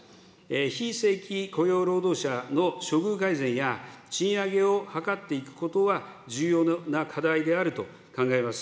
非正規雇用労働者の処遇改善や、賃上げを図っていくことは重要な課題であると考えます。